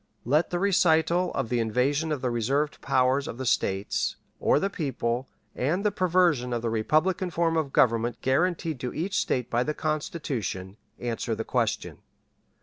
Let the recital of the invasion of the reserved powers of the States, or the people, and the perversion of the republican form of government guaranteed to each State by the Constitution, answer the question.